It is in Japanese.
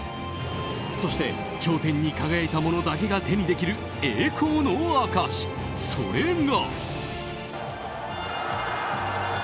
そして頂点に輝いた者だけが手にできる栄光の証し、それが。